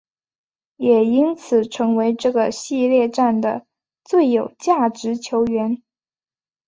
也因此成为这个系列战的最有价值球员。